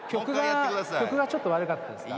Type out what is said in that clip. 曲がちょっと悪かったですか。